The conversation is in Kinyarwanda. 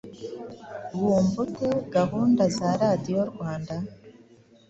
Wumva ute gahunda za Radiyo Rwanda